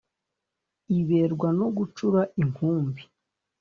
Iberwa no gucura inkumbi